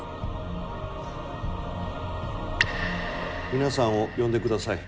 皆さんを呼んでください。